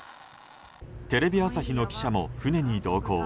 テレビ朝日の記者も船に同行。